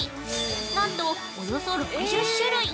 なんと、およそ６０種類。